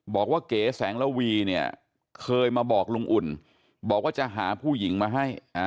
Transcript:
เก๋แสงระวีเนี่ยเคยมาบอกลุงอุ่นบอกว่าจะหาผู้หญิงมาให้